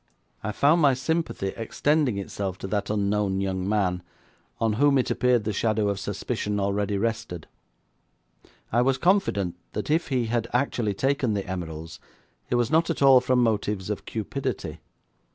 I found my sympathy extending itself to that unknown young man, on whom it appeared the shadow of suspicion already rested. I was confident that if he had actually taken the emeralds it was not at all from motives of cupidity.